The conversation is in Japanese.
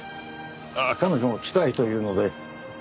ああ彼女も来たいというので。